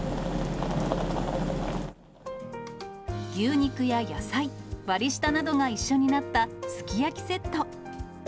牛肉や野菜、割り下などが一緒になったすき焼きセット。